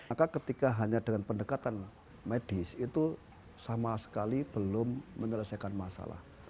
maka ketika hanya dengan pendekatan medis itu sama sekali belum menyelesaikan masalah